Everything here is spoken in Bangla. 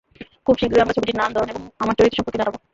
খুব শীঘ্রই আমরা ছবিটির নাম, ধরন এবং আমার চরিত্র সম্পর্কে জানাব।